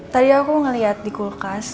tadi aku ngeliat di kulkas